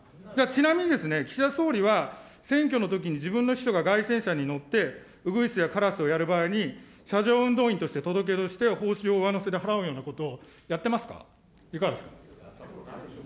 ちなみにですね、岸田総理は、選挙のときに自分の秘書が街宣車に乗って、ウグイスやカラスをやる場合に、車上運動員として届け出をして報酬を上乗せで払うようなことやってますか、いかがですか。